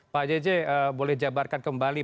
pak jj boleh jabarkan kembali